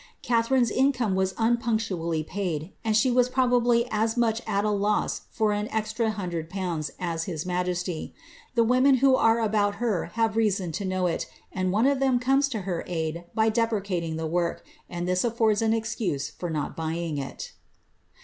Catharine's income was un punctually paid, and she wv probably fs much at a loss for an extra hundred pounds as hit majestj; the women who are about her have reason to know it, and one of ihea comes to her aid by depreciating the work, and this aflbrds an excaN for not buying it.